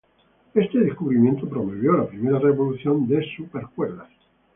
Este descubrimiento promovió la primera revolución de supercuerdas.